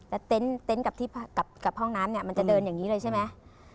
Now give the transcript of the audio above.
แต่เต็นต์กับห้องน้ำเนี่ยมันจะเดินอย่างนี้เลยใช่ไหม